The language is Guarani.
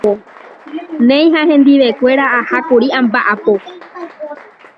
néi ha hendivekuéra ahákuri amba’apo